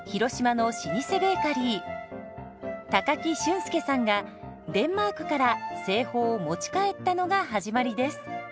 高木俊介さんがデンマークから製法を持ち帰ったのが始まりです。